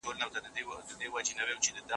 د هغه کار د ستایلو دی.